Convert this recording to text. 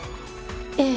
ええ。